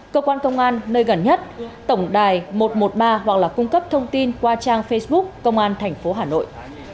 cơ quan công an nơi gần nhất tổng đài một trăm một mươi ba hoặc là cung cấp thông tin qua trang facebook công an tp hà nội